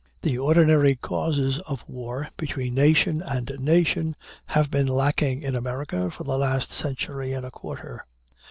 The ordinary causes of war between nation and nation have been lacking in America for the last century and a quarter.